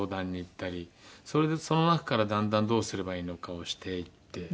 それでその中からだんだんどうすればいいのかをしていって。